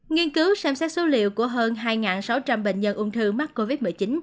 nghiên cứu xem xét số liệu của hơn hai sáu trăm linh bệnh nhân ung thư mắc covid một mươi chín